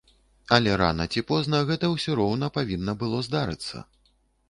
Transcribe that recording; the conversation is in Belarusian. Але рана ці позна гэта ўсё роўна павінна было здарыцца.